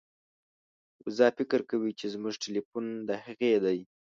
وزه فکر کوي چې زموږ ټیلیفون د هغې دی.